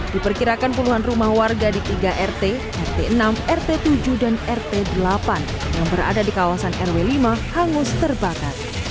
diperkirakan puluhan rumah warga di tiga rt rt enam rt tujuh dan rt delapan yang berada di kawasan rw lima hangus terbakar